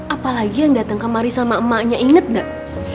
apalagi yang datang kemari sama emaknya ingat gak